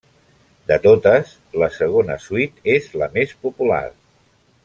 De totes, la segona suite és la més popular.